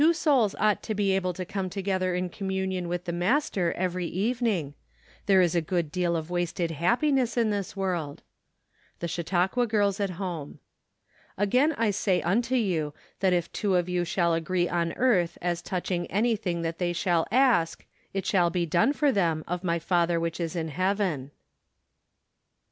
Ill 3. Two souls ought to be able to come together in communion with the Master every evening. There is a good deal of wasted happiness in this world. The Chautauqua Girls at Home. " Again I sag unto you, That if two of you shall agree on earth as touching anything that they shall ask, it shall be done for them of my Father which is in heaven